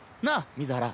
水原。